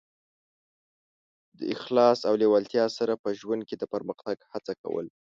د اخلاص او لېوالتیا سره په ژوند کې د پرمختګ هڅه کول.